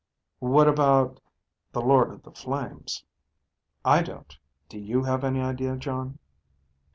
"What about ... the Lord of the Flames?" "I don't do you have any idea, Jon?"